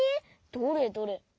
どれどれ。